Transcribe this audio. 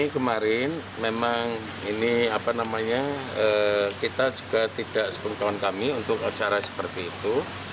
kita juga tidak sepengkawan kami untuk acara seperti itu